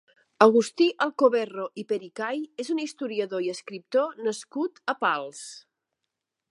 Agustí Alcoberro i Pericay és un historiador i escriptor nascut a Pals.